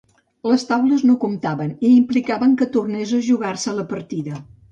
Les taules no comptaven i implicaven que tornés a jugar-se la partida.